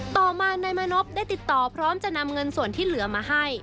ต่อมานายมานพได้จำนำเงินส่วนที่เหลือมาให้